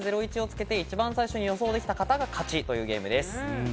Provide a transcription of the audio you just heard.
この言葉を「＃ゼロイチ」をつけて、一番最初に予想できた方が勝ちというゲームです。